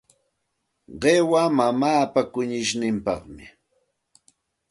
Qiwa mamaapa kunishninpaqmi.